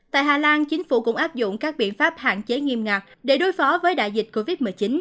tại hà lan chính phủ cũng áp dụng các biện pháp hạn chế nghiêm ngặt để đối phó với đại dịch covid một mươi chín